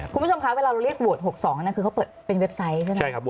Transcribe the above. คุณผู้ชมคะเวลาเราเรียกโหวต๖๒คือเขาเปิดเป็นเว็บไซต์ใช่ไหม